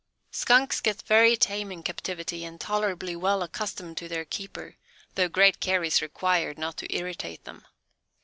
Skunks get very tame in captivity and tolerably well accustomed to their keeper, though great care is required not to irritate them.